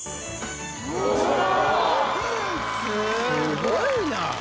すごいな。